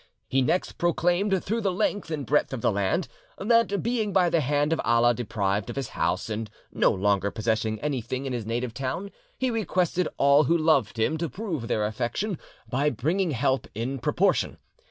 He next proclaimed through the length and breadth of the land, that, being by the hand of Allah deprived of his house, and no longer possessing anything in his native town, he requested all who loved him to prove their affection by bringing help in proportion.